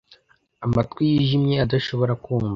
amatwi yijimye adashobora kumva